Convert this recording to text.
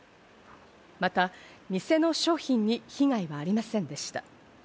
また、店の商品に被害はありませんでした。